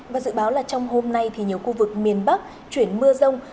và dự báo là trong hôm nay thì nhiều khu vực miền bắc chuyển mưa rông